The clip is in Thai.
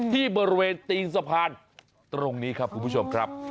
ที่บริเวณตีนสะพานตรงนี้ครับคุณผู้ชมครับ